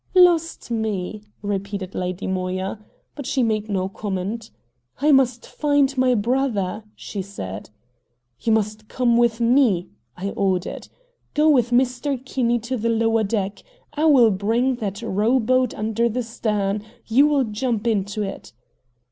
"Lost me!" repeated Lady Moya. But she made no comment. "I must find my brother," she said. "You must come with me!" I ordered. "Go with Mr. Kinney to the lower deck. I will bring that rowboat under the stern. You will jump into it.